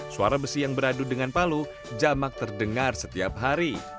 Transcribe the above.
suara besi yang beradu dengan palu jamak terdengar setiap hari